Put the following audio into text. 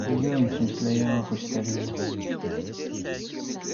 Iyya ur nettmeslay ɣef Ustṛalya.